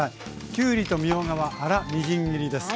きゅうりとみょうがは粗みじん切りです。